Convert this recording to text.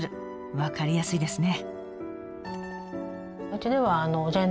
分かりやすいですね。